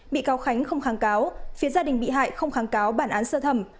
bị cáo khánh không kháng cáo phía gia đình bị hại không kháng cáo bản án sơ thẩm